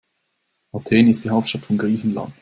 Athen ist die Hauptstadt von Griechenland.